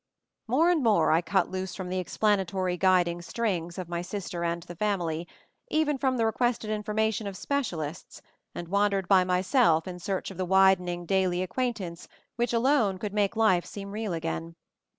MORE and more I cut loose from the explanatory guiding strings of my sister and the family, even from the requested information of specialists, and wandered by myself in search of the widen ing daily acquaintance which alone could make life seem real again.